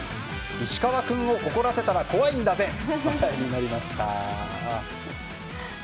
石川君を怒らせたら怖いんだぜと話題になりました。